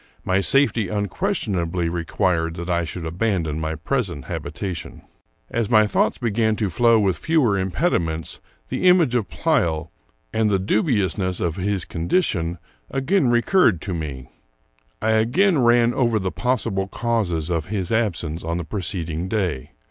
My safety unquestionably re quired that I should abandon my present habitation. As my thoughts began to flow with fewer impediments, the image of Pleyel, and the dubiousness of his condition, again recurred to me. I again ran over the possible causes of his absence on the preceding day.